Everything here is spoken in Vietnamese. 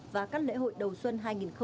và các lễ hội đầu xuân hai nghìn hai mươi